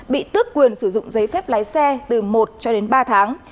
bị tước quyền sử dụng giấy phép lái xe từ một cho đến ba tháng